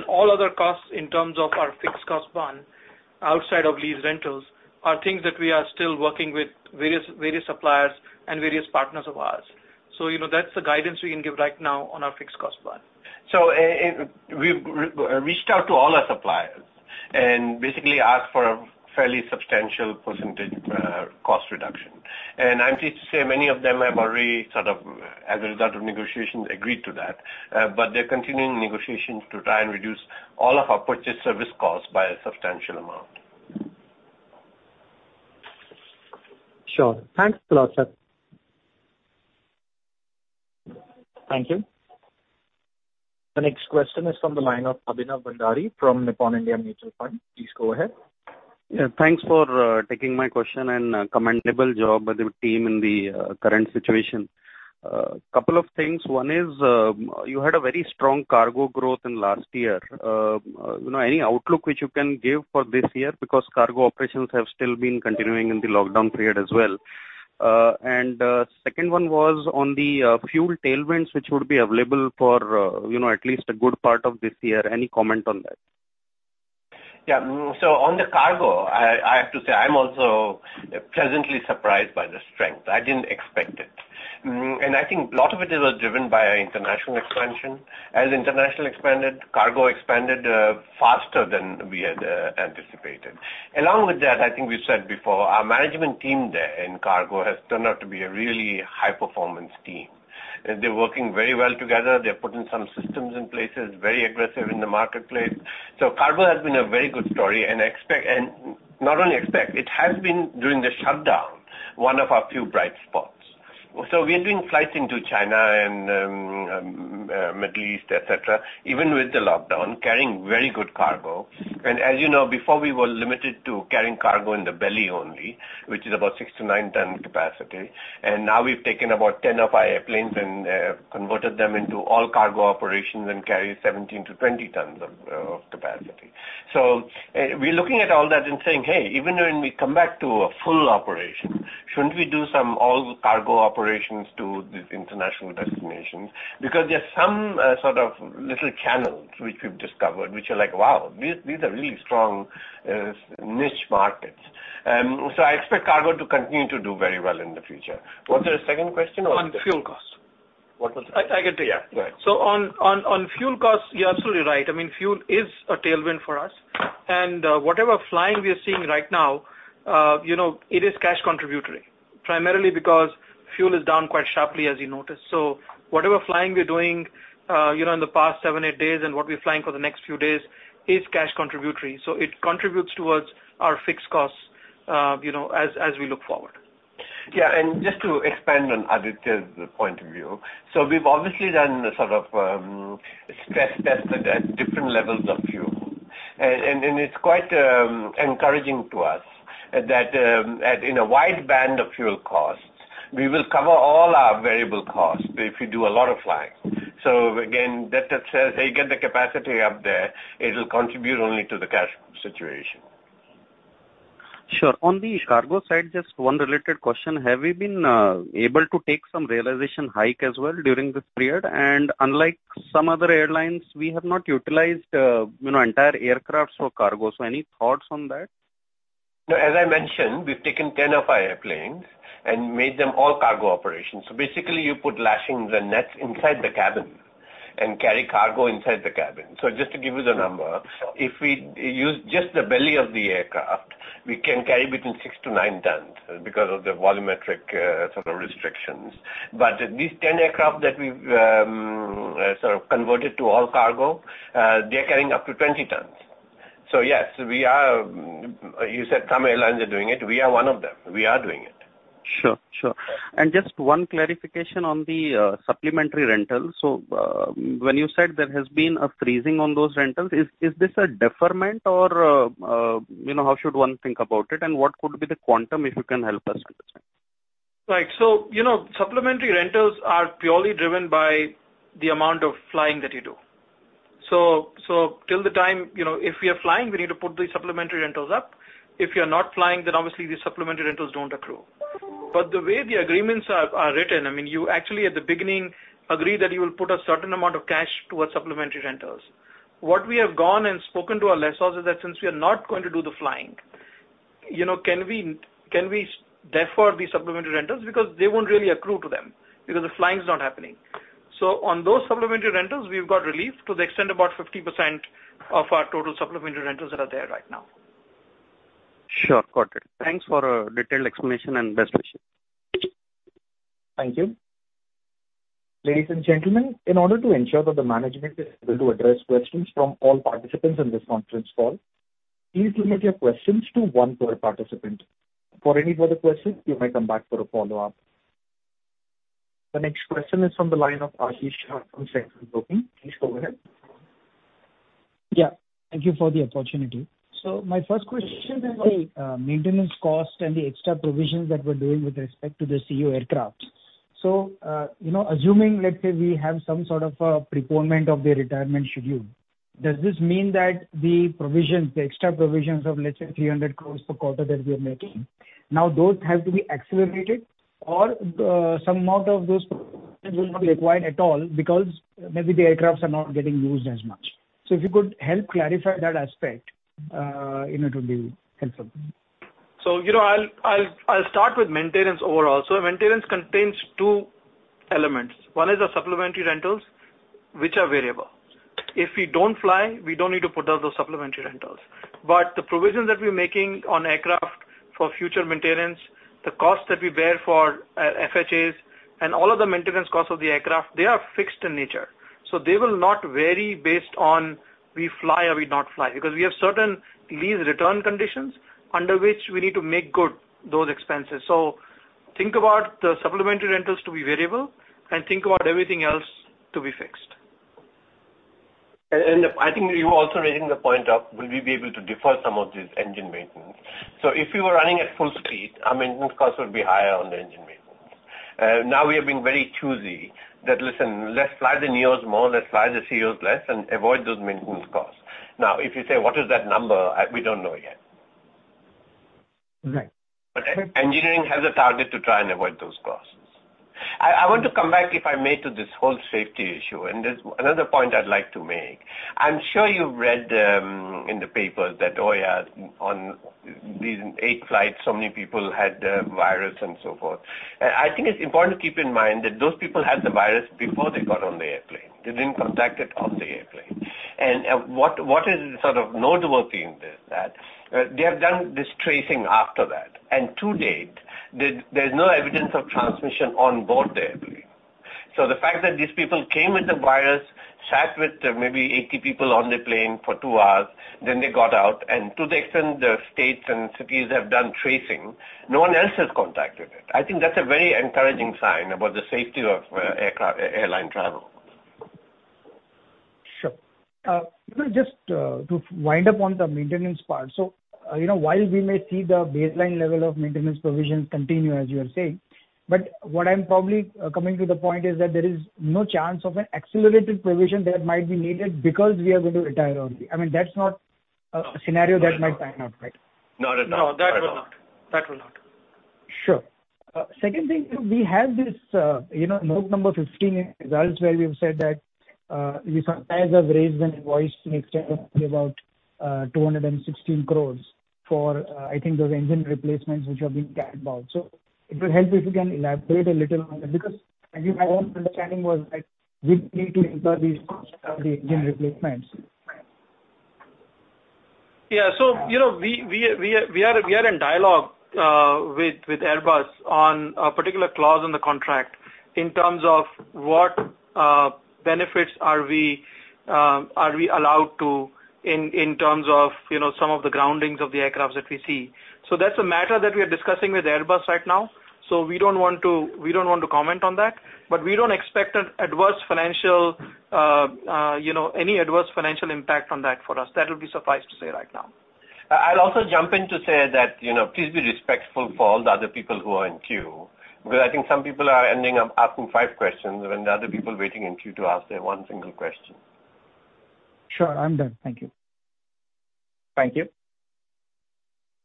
All other costs in terms of our fixed cost run outside of lease rentals are things that we are still working with various suppliers and various partners of ours. That's the guidance we can give right now on our fixed cost plan. We reached out to all our suppliers and basically asked for a fairly substantial percentage cost reduction. I'm pleased to say many of them have already sort of, as a result of negotiations, agreed to that. They're continuing negotiations to try and reduce all of our purchase service costs by a substantial amount. Sure. Thanks a lot, sir. Thank you. The next question is from the line of Abhinav Bhandari from Nippon India Mutual Fund. Please go ahead. Yeah, thanks for taking my question, and commendable job by the team in the current situation. A couple of things. One is, you had a very strong cargo growth in last year. Any outlook which you can give for this year? Because cargo operations have still been continuing in the lockdown period as well. Second one was on the fuel tailwinds, which would be available for at least a good part of this year. Any comment on that? On the cargo, I have to say, I'm also pleasantly surprised by the strength. I didn't expect it. I think a lot of it is driven by our international expansion. As international expanded, cargo expanded faster than we had anticipated. Along with that, I think we said before, our management team there in cargo has turned out to be a really high-performance team. They're working very well together. They've put in some systems in places, very aggressive in the marketplace. Cargo has been a very good story, and not only expect, it has been, during the shutdown, one of our few bright spots. We are doing flights into China and Middle East, et cetera, even with the lockdown, carrying very good cargo. As you know, before we were limited to carrying cargo in the belly only, which is about 6 to 9 ton capacity. Now we've taken about 10 of our airplanes and converted them into all-cargo operations and carry 17 to 20 tons of capacity. We're looking at all that and saying, "Hey, even when we come back to a full operation, shouldn't we do some all-cargo operations to these international destinations?" There's some sort of little channels which we've discovered, which are like, wow, these are really strong niche markets. I expect cargo to continue to do very well in the future. Was there a second question? On fuel cost. What was that? I get it. Yeah. Go ahead. On fuel costs, you're absolutely right. Fuel is a tailwind for us. Whatever flying we are seeing right now, it is cash contributory, primarily because fuel is down quite sharply, as you noticed. Whatever flying we're doing in the past seven, eight days and what we're flying for the next few days is cash contributory. It contributes towards our fixed costs as we look forward. Yeah. Just to expand on Aditya's point of view. We've obviously done a sort of stress test at different levels of fuel. It's quite encouraging to us that in a wide band of fuel costs, we will cover all our variable costs if we do a lot of flying. Again, that says, hey, get the capacity up there, it will contribute only to the cash situation. Sure. On the cargo side, just one related question. Have we been able to take some realization hike as well during this period? Unlike some other airlines, we have not utilized entire aircraft for cargo. Any thoughts on that? As I mentioned, we've taken 10 of our airplanes and made them all-cargo operations. Basically you put lashings and nets inside the cabin and carry cargo inside the cabin. Just to give you the number, if we use just the belly of the aircraft, we can carry between six to nine tons because of the volumetric sort of restrictions. These 10 aircraft that we've converted to all-cargo, they're carrying up to 20 tons. Yes, you said some airlines are doing it. We are one of them. We are doing it. Sure. Sure. Just one clarification on the supplementary rentals. When you said there has been a freezing on those rentals, is this a deferment or how should one think about it, and what could be the quantum, if you can help us with this? Right. Supplementary rentals are purely driven by the amount of flying that you do. Till the time, if we are flying, we need to put the supplementary rentals up. If we are not flying, obviously the supplementary rentals don't accrue. The way the agreements are written, you actually at the beginning agree that you will put a certain amount of cash towards supplementary rentals. What we have gone and spoken to our lessors is that since we are not going to do the flying, can we defer the supplementary rentals? They won't really accrue to them, because the flying is not happening. On those supplementary rentals, we've got relief to the extent about 50% of our total supplementary rentals that are there right now. Sure. Got it. Thanks for a detailed explanation and best wishes. Thank you. Ladies and gentlemen, in order to ensure that the management is able to address questions from all participants in this conference call, please limit your questions to one per participant. For any further questions, you may come back for a follow-up. The next question is from the line of Ashish Shah from Centrum Broking. Please go ahead. Yeah, thank you for the opportunity. My first question is on maintenance cost and the extra provisions that we're doing with respect to the ceo aircraft. Assuming, let's say we have some sort of a pre-ponement of the retirement schedule, does this mean that the provisions, the extra provisions of, let's say, 300 crore per quarter that we are making, now those have to be accelerated or some amount of those provisions will not be required at all because maybe the aircrafts are not getting used as much. If you could help clarify that aspect it would be helpful. I'll start with maintenance overall. Maintenance contains two elements. One is the supplementary rentals, which are variable. If we don't fly, we don't need to put out those supplementary rentals. The provisions that we're making on aircraft for future maintenance, the cost that we bear for FHAs, and all of the maintenance costs of the aircraft, they are fixed in nature. They will not vary based on we fly or we not fly, because we have certain lease return conditions under which we need to make good those expenses. Think about the supplementary rentals to be variable, and think about everything else to be fixed. I think you were also raising the point of will we be able to defer some of this engine maintenance. If we were running at full speed, our maintenance costs would be higher on the engine maintenance. Now we are being very choosy that, listen, let's fly the NEOs more, let's fly the ceos less, and avoid those maintenance costs. If you say, what is that number? We don't know yet. Right. Engineering has a target to try and avoid those costs. I want to come back, if I may, to this whole safety issue. There's another point I'd like to make. I'm sure you've read in the papers that, oh, yeah, on these eight flights, so many people had the virus and so forth. I think it's important to keep in mind that those people had the virus before they got on the airplane. They didn't contract it on the airplane. What is notable in this, that they have done this tracing after that. To date, there's no evidence of transmission on board the airplane. The fact that these people came with the virus, sat with maybe 80 people on the plane for two hours, then they got out, and to the extent the states and cities have done tracing, no one else has contracted it. I think that's a very encouraging sign about the safety of airline travel. Sure. Just to wind up on the maintenance part. While we may see the baseline level of maintenance provisions continue, as you are saying, but what I'm probably coming to the point is that there is no chance of an accelerated provision that might be needed because we are going to retire early. That's not a scenario that might pan out, right? Not at all. No, that will not. Sure. Second thing, we have this note number 15 results where we have said that you suppliers have raised an invoice to IndiGo about 216 crores for, I think, those engine replacements which have been [carried out]. It will help if you can elaborate a little on that, because my own understanding was that we need to incur these costs of the engine replacements. Yeah. We are in dialogue with Airbus on a particular clause in the contract in terms of what benefits are we allowed to, in terms of some of the groundings of the aircrafts that we see. That's a matter that we are discussing with Airbus right now. We don't want to comment on that. We don't expect any adverse financial impact on that for us. That will be sufficed to say right now. I'll also jump in to say that, please be respectful for all the other people who are in queue, because I think some people are ending up asking five questions when the other people waiting in queue to ask their one single question. Sure. I'm done. Thank you. Thank you.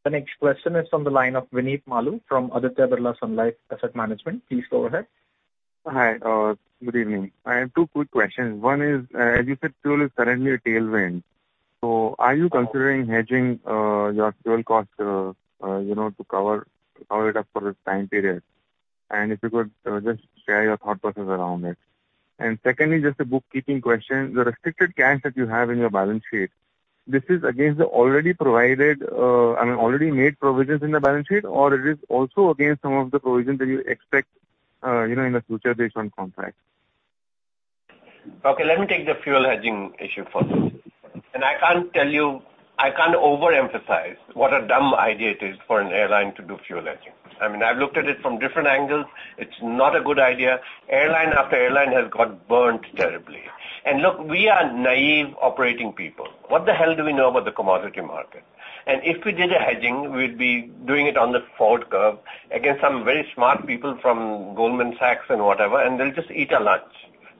The next question is from the line of Vineet Maloo from Aditya Birla Sun Life Asset Management. Please go ahead. Hi. Good evening. I have two quick questions. One is, as you said, fuel is currently a tailwind. Are you considering hedging your fuel costs to cover it up for this time period? If you could just share your thought process around it. Secondly, just a bookkeeping question. The restricted cash that you have in your balance sheet, this is against the already made provisions in the balance sheet? Or it is also against some of the provisions that you expect in the future based on contract? Okay, let me take the fuel hedging issue first. I can't overemphasize what a dumb idea it is for an airline to do fuel hedging. I've looked at it from different angles. It's not a good idea. Airline after airline has got burnt terribly. Look, we are naive operating people. What the hell do we know about the commodity market? If we did a hedging, we'd be doing it on the forward curve against some very smart people from Goldman Sachs and whatever, and they'll just eat our lunch.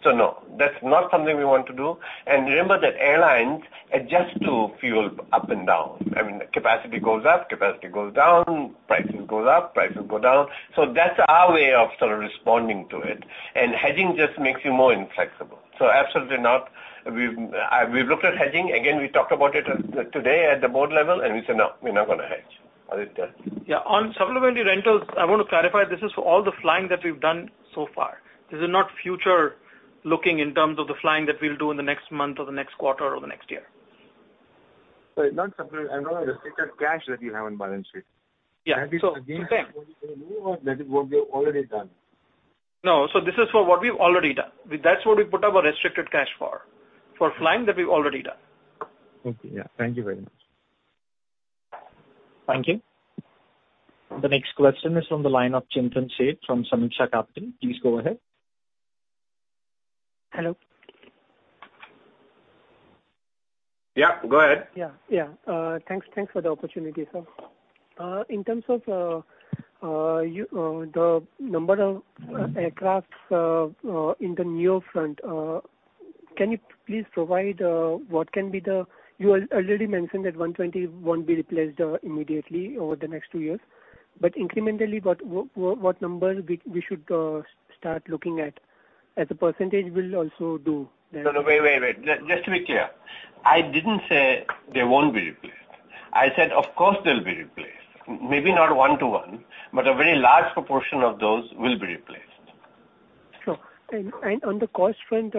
No, that's not something we want to do. Remember that airlines adjust to fuel up and down. Capacity goes up, capacity goes down, prices go up, prices go down. That's our way of sort of responding to it. Hedging just makes you more inflexible. Absolutely not. We've looked at hedging. Again, we talked about it today at the board level, and we said, "No, we're not going to hedge." Aditya? Yeah. On supplementary rentals, I want to clarify, this is for all the flying that we've done so far. This is not future-looking in terms of the flying that we'll do in the next month or the next quarter or the next year. Sorry, not supplementary. I am talking about restricted cash that you have on balance sheet. Yeah. That is against what you are going to do or that is what you have already done? No, this is for what we've already done. That's what we put our restricted cash for flying that we've already done. Okay. Yeah. Thank you very much. Thank you. The next question is from the line of Chintan Sheth from Sameeksha Capital. Please go ahead. Hello. Yeah, go ahead. Yeah. Thanks for the opportunity, sir. In terms of the number of aircraft in the NEO front, can you please provide. You already mentioned that 120 won't be replaced immediately over the next two years, but incrementally, what numbers we should start looking at? As a percentage will also do. No, wait. Just to be clear, I didn't say they won't be replaced. I said of course they'll be replaced. Maybe not one to one, but a very large proportion of those will be replaced. Sure. On the cost front,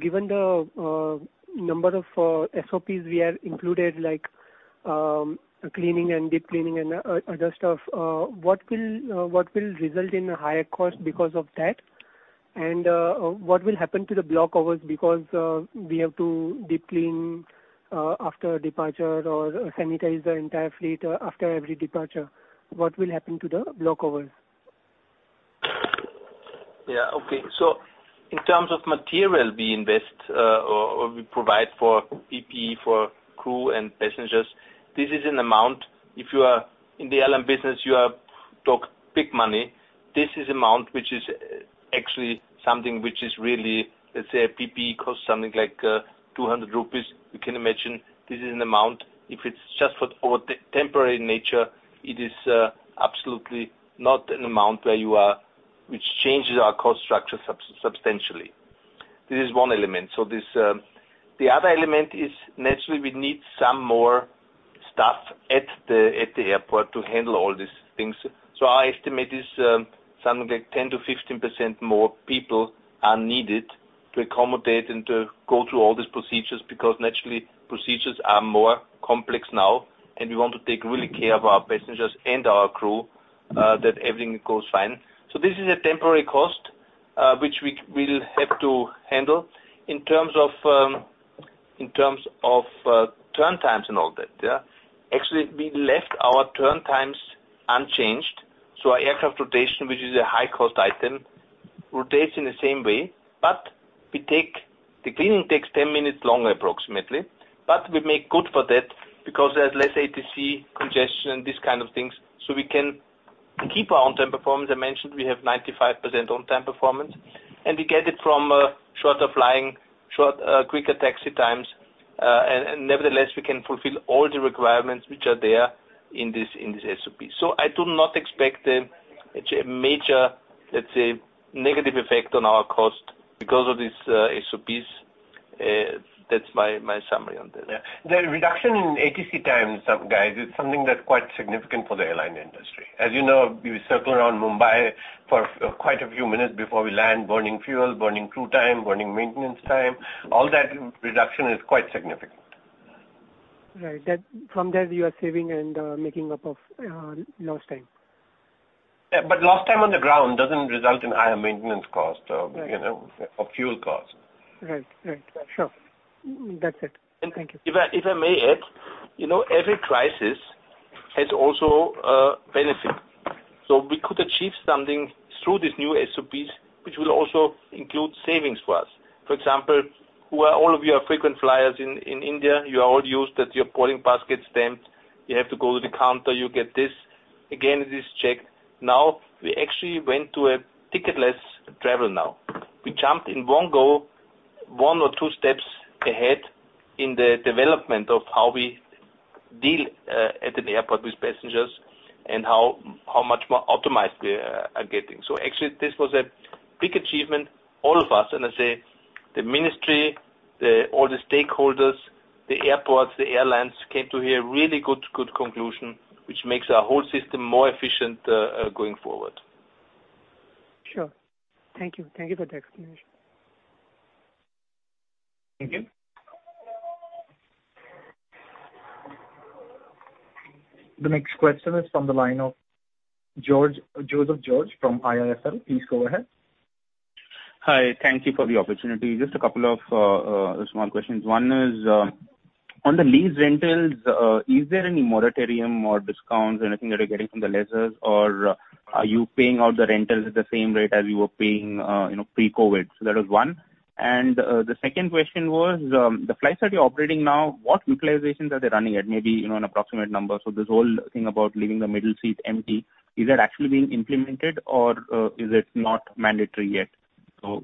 given the number of SOPs we have included, like cleaning and deep cleaning and other stuff, what will result in a higher cost because of that? What will happen to the block hours because we have to deep clean after departure or sanitize the entire fleet after every departure? What will happen to the block hours? Yeah. Okay. In terms of material we invest or we provide for PPE for crew and passengers, this is an amount. If you are in the airline business, you are talking big money. This is an amount which is actually something which is really, let's say, a PPE costs something like 200 rupees. You can imagine this is an amount, if it's just for temporary nature, it is absolutely not an amount which changes our cost structure substantially. This is one element. The other element is naturally we need some more staff at the airport to handle all these things. Our estimate is something like 10%-15% more people are needed to accommodate and to go through all these procedures because naturally, procedures are more complex now, and we want to take really care of our passengers and our crew, that everything goes fine. This is a temporary cost, which we will have to handle. In terms of turn times and all that, actually we left our turn times unchanged. Our aircraft rotation, which is a high-cost item, rotates in the same way. The cleaning takes 10 minutes longer approximately. We make good for that because there's less ATC congestion, these kind of things, so we can keep our on-time performance. I mentioned we have 95% on-time performance, and we get it from shorter flying, quicker taxi times. Nevertheless, we can fulfill all the requirements which are there in this SOP. I do not expect a major, let's say, negative effect on our cost because of these SOPs. That's my summary on this. Yeah. The reduction in ATC times, guys, is something that's quite significant for the airline industry. As you know, we circle around Mumbai for quite a few minutes before we land, burning fuel, burning crew time, burning maintenance time. All that reduction is quite significant. Right. From that you are saving and making up of lost time. Yeah, lost time on the ground doesn't result in higher maintenance cost. Right fuel cost. Right. Sure. That's it. Thank you. If I may add, every crisis has also a benefit. We could achieve something through these new SOPs, which will also include savings for us. For example, all of you are frequent flyers in India. You are all used that your boarding pass gets stamped. You have to go to the counter, you get this. Again, this is checked. We actually went to a ticketless travel now. We jumped in one go one or two steps ahead in the development of how we deal at an airport with passengers and how much more optimized we are getting. Actually, this was a big achievement, all of us. I say the ministry, all the stakeholders, the airports, the airlines came to a really good conclusion, which makes our whole system more efficient going forward. Sure. Thank you. Thank you for the explanation. Thank you. The next question is from the line of Joseph George from IIFL. Please go ahead. Hi. Thank you for the opportunity. Just a couple of small questions. One is, on the lease rentals, is there any moratorium or discounts, anything that you're getting from the lessors? Are you paying out the rentals at the same rate as you were paying pre-COVID? That is one. The second question was, the flights that you're operating now, what utilizations are they running at? Maybe an approximate number. This whole thing about leaving the middle seat empty, is that actually being implemented or is it not mandatory yet?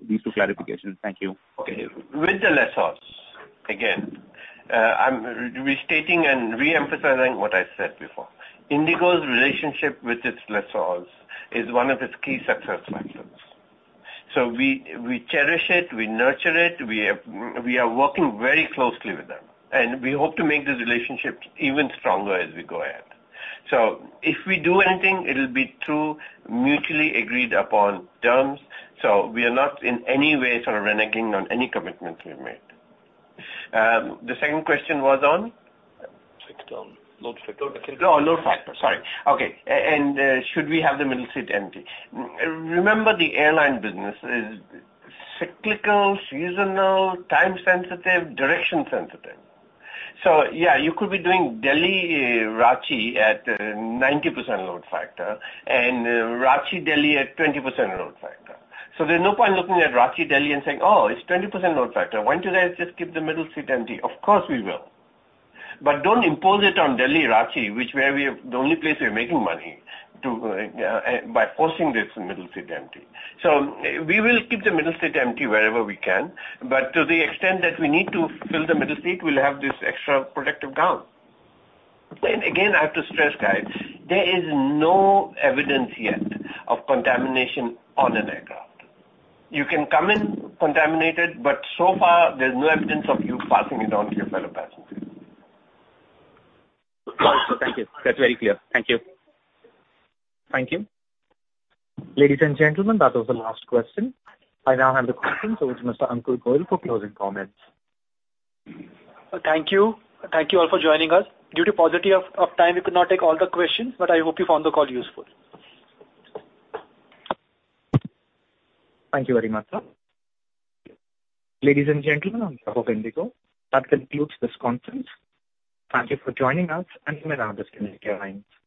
These two clarifications. Thank you. With the lessors, again, I'm restating and re-emphasizing what I said before. IndiGo's relationship with its lessors is one of its key success factors. We cherish it, we nurture it, we are working very closely with them, and we hope to make this relationship even stronger as we go ahead. If we do anything, it'll be through mutually agreed upon terms. We are not in any way sort of reneging on any commitments we've made. The second question was on? Load factor. Oh, load factor. Sorry. Okay. Should we have the middle seat empty? Remember, the airline business is cyclical, seasonal, time sensitive, direction sensitive. Yeah, you could be doing Delhi-Ranchi at 90% load factor and Ranchi-Delhi at 20% load factor. There's no point looking at Ranchi-Delhi and saying, "Oh, it's 20% load factor. Why don't you guys just keep the middle seat empty?" Of course, we will. Don't impose it on Delhi-Ranchi, the only place we are making money, by forcing this middle seat empty. We will keep the middle seat empty wherever we can, but to the extent that we need to fill the middle seat, we'll have this extra protective gown. Again, I have to stress, guys, there is no evidence yet of contamination on an aircraft. You can come in contaminated, but so far there's no evidence of you passing it on to your fellow passengers. Thank you. That's very clear. Thank you. Thank you. Ladies and gentlemen, that was the last question. I now hand the conference over to Mr. Ankur Goel for closing comments. Thank you. Thank you all for joining us. Due to paucity of time, we could not take all the questions, but I hope you found the call useful. Thank you very much, sir. Ladies and gentlemen on behalf of IndiGo, that concludes this conference. Thank you for joining us, and you may now disconnect your lines.